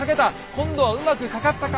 今度はうまく掛かったか。